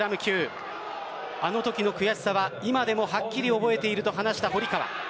あのときの悔しさは今でもはっきりと覚えていると話した堀川。